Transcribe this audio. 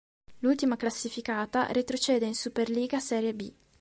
L'ultima classificata retrocede in "Superliga Série B".